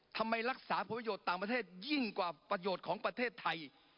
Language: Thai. รักษาผลประโยชน์ต่างประเทศยิ่งกว่าประโยชน์ของประเทศไทย